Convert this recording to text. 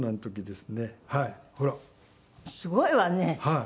すごいわね。